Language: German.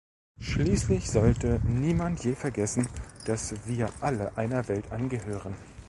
Schließlich sollte niemand je vergessen, dass wir alle einer Welt angehören.